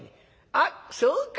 あっそうか。